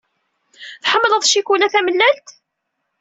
Tḥemmleḍ ccikula tamellalt?